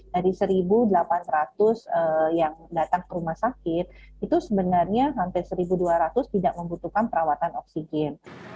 dari satu delapan ratus yang datang ke rumah sakit itu sebenarnya hampir satu dua ratus tidak membutuhkan perawatan oksigen